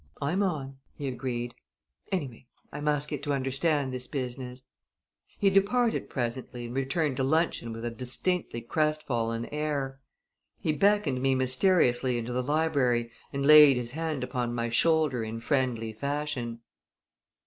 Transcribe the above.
"I'm on!" he agreed. "Anyway I must get to understand this business." He departed presently and returned to luncheon with a distinctly crestfallen air. He beckoned me mysteriously into the library and laid his hand upon my shoulder in friendly fashion.